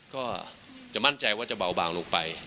ก็จะมั่นใจว่าจะเบาบางลงไป